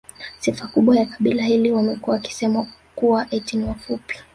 Sifa kubwa ya kabila hili wamekuwa wakisemwa kuwa eti ni wafupi